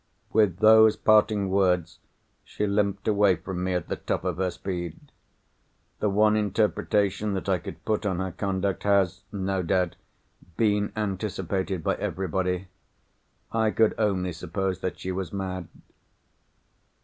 With those parting words she limped away from me at the top of her speed. The one interpretation that I could put on her conduct has, no doubt, been anticipated by everybody. I could only suppose that she was mad.